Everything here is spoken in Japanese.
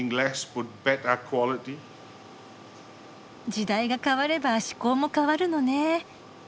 時代が変われば嗜好も変わるのねぇ。